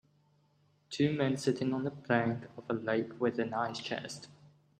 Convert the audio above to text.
Two men sitting on the bank of a lake with an ice chest.